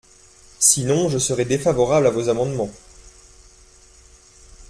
Sinon, je serai défavorable à vos amendements.